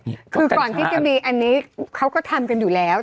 คือก่อนที่จะมีอันนี้เขาก็ทำกันอยู่แล้ว